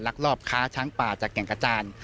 ลอบค้าช้างป่าจากแก่งกระจาน